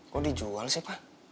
kok dijual sih pak